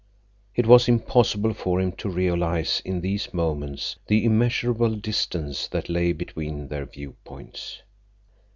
It was impossible for him to realize in these moments the immeasurable distance that lay between their viewpoints.